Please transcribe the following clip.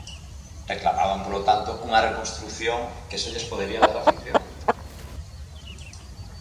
Reclamaban, polo tanto, unha reconstrución que só lles podería dar a ficción.